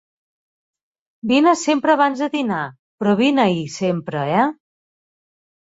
Vine sempre abans de dinar; però vine-hi sempre, eh!